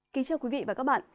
kính chào quý vị và các bạn